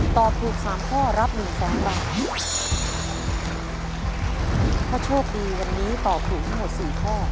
ตอบถูกสามข้อรับหนึ่งแสนบาทถ้าโชคดีวันนี้ตอบถูกทั้งหมดสี่ข้อ